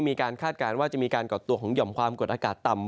คาดการณ์ว่าจะมีการก่อตัวของหย่อมความกดอากาศต่ำ